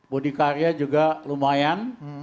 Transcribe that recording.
budi karya juga lumayan